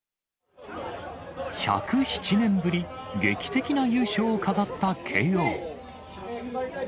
１０７年ぶり、劇的な優勝を飾った慶応。